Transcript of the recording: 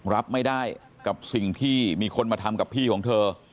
รับไม่ได้กับสิ่งที่มีคนมาทำกับพี่ของเธอ